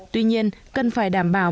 tuy nhiên cần phải đảm bảo